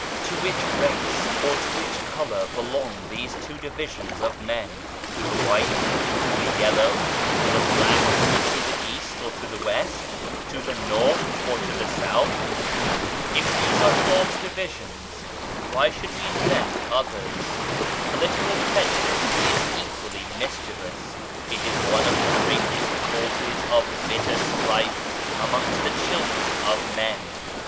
To which race or to which colour belong these two divisions of men, to the White, to the Yellow, to the Black, to the East or to the West, to the North or to the South ? If these are God's divisions, why should we ABOLITION OF PREJUDICES 139 invent others ? Political prejudice is equally mis chievous, it is one of the greatest causes of bitter strife amongst the children of men.